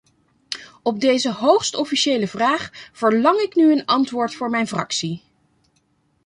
Op deze hoogst officiële vraag verlang ik nu een antwoord voor mijn fractie.